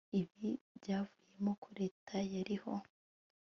ibi byavuyemo ko leta yariho